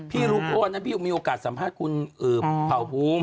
พี่รู้กับอันนั้นพี่มีโอกาสสัมภาษณ์คุณเผาภูมิ